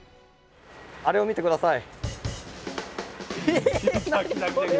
あれを見て下さい！